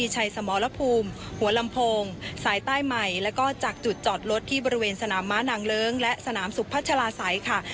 จอดรถที่บริเวณสนามมะนังเลิงและสนามสุภาชาลาศัยค่ะ